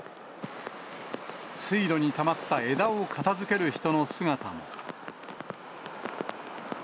水路にたまった枝を片づける人の姿も。